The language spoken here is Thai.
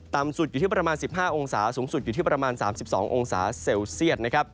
สุดอยู่ที่ประมาณ๑๕องศาสูงสุดอยู่ที่ประมาณ๓๒องศาเซลเซียต